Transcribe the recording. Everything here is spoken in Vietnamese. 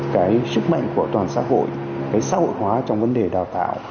cái sức mạnh của toàn xã hội cái xã hội hóa trong vấn đề đào tạo